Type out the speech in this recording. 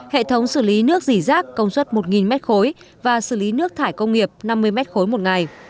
hệ thống xử lý nước dỉ rác công suất một m ba và xử lý nước thải công nghiệp năm mươi m ba một ngày